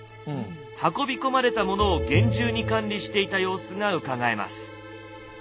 運び込まれたものを厳重に管理していた様子がうかがえます。